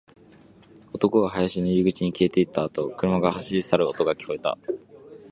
男が林の入り口に消えていったあと、車が走り去る音が聞こえた